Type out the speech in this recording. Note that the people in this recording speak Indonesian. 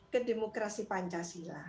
ke demokrasi pancasila